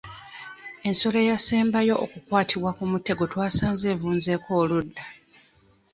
Ensolo eyasembayo okukwattibwa ku mutego twasanze evunzeeko oludda.